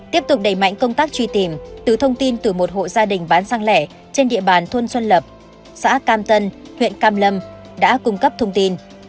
tiếp tục đẩy mạnh công tác truy tìm từ thông tin từ một hộ gia đình bán xăng lẻ trên địa bàn thôn xuân lập xã cam tân huyện cam lâm đã cung cấp thông tin